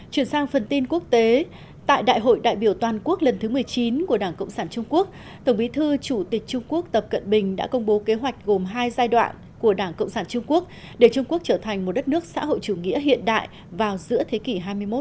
chuyển sang phần tin quốc tế tại đại hội đại biểu toàn quốc lần thứ một mươi chín của đảng cộng sản trung quốc tổng bí thư chủ tịch trung quốc tập cận bình đã công bố kế hoạch gồm hai giai đoạn của đảng cộng sản trung quốc để trung quốc trở thành một đất nước xã hội chủ nghĩa hiện đại vào giữa thế kỷ hai mươi một